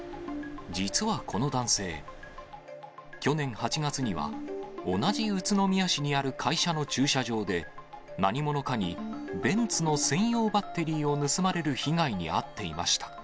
実はこの男性、去年８月には、同じ宇都宮市にある会社の駐車場で、何者かにベンツの専用バッテリーを盗まれる被害に遭っていました。